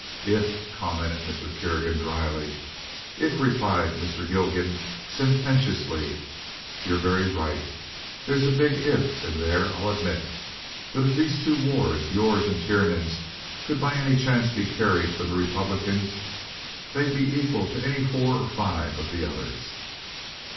"If—" commented Mr. Kerrigan, dryly. "If," replied Mr. Gilgan, sententiously. "You're very right. There's a big 'if' in there, I'll admit. But if these two wards—yours and Tiernan's—could by any chance be carried for the Republicans they'd be equal to any four or five of the others."